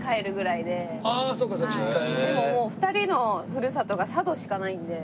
でももう２人のふるさとが佐渡しかないので。